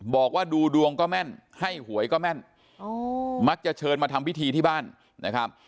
บอกว่าดูดวงก็แม่นให้หวยก็แม่นมักจะเชิญมาทำพิธีที่บ้านนะครับ